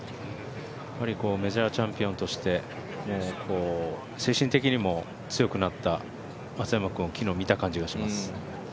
メジャーチャンピオンとして精神的にも強くなった松山君を昨日見た感じがします。